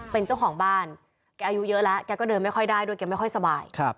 เป็นเจ้าของบ้านแกอายุเยอะแล้วแกก็เดินไม่ค่อยได้ด้วยแกไม่ค่อยสบาย